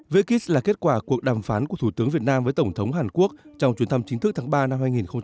vekis là kết quả cuộc đàm phán của thủ tướng việt nam với tổng thống hàn quốc trong chuyến thăm chính thức tháng ba năm hai nghìn hai mươi